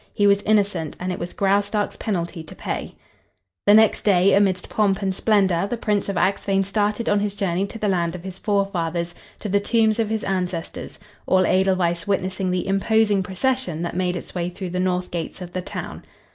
He was innocent and it was Graustark's penalty to pay. The next day, amidst pomp and splendor, the Prince of Axphain started on his journey to the land of his forefathers, to the tombs of his ancestors, all Edelweiss witnessing the imposing procession that made its way through the north gates of the town.